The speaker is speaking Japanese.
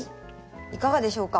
いかがでしょうか？